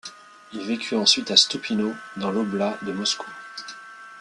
Il vécut ensuite à Stoupino, dans l'oblast de Moscou.